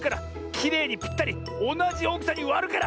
きれいにぴったりおなじおおきさにわるから！